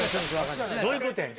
どういうことやねん。